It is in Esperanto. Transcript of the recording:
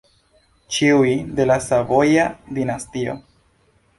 Ĉiuj de la Savoja dinastio.